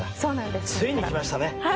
ついに来ましたね。